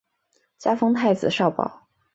加封太子少保。